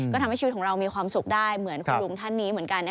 ก็ทำให้ชีวิตของเรามีความสุขได้เหมือนคุณลุงท่านนี้เหมือนกัน